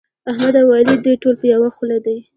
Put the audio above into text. احمد او علي دوی ټول په يوه خوله دي.